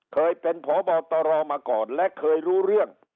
เคยเป็นพบตรมาก่อนและเคยรู้เรื่อง